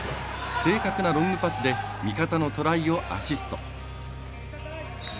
正確なロングパスで味方のトライをアシスト。